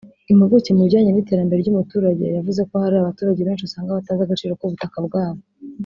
impuguke mu bijyanye n’iterambere ry’umuturage yavuze ko hari abaturage benshi usanga batazi agaciro k’ubutaka bwabo